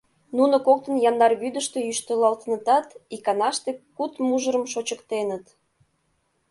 Нуно коктын яндар вӱдыштӧ йӱштылалтынытат, иканаште куд мужырым шочыктеныт.